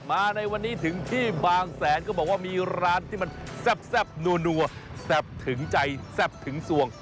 มาในวันนี้ถึงที่บางแสนก็บอกว่ามีร้านที่มันแซ่บนัวแซ่บถึงใจแซ่บถึงสวง